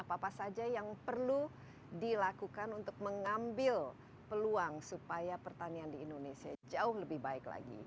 apa apa saja yang perlu dilakukan untuk mengambil peluang supaya pertanian di indonesia jauh lebih baik lagi